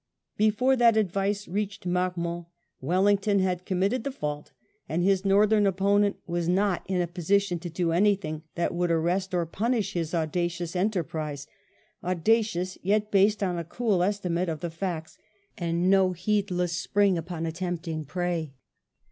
Before that advice reached Marmont Wellington had committed the fault, and his northern opponent was not in a position to do anything that would arrest or punish his audaqjous enterprise — audacious, yet based on a cool estimate of the facts, and no heedless spring upon a tempting prey.